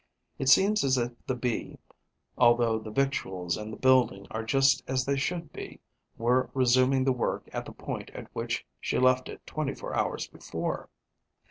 It seems as if the Bee, although the victuals and the building are just as they should be, were resuming the work at the point at which she left it twenty four hours before.